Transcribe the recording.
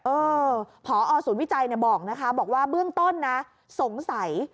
เออผอศูนย์วิจัยบอกว่าเบื้องต้นสงสัย